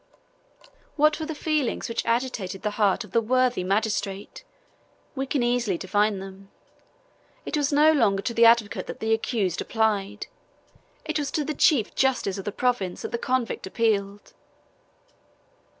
What were the feelings which agitated the heart of the worthy magistrate? We can easily divine them. It was no longer to the advocate that the accused applied; it was to the chief justice of the province that the convict appealed.